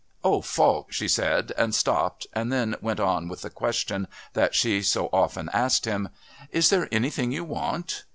"Oh, Falk," she said, and stopped, and then went on with the question that she so often asked him: "Is there anything you want?"